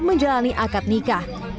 menjalani akad nikah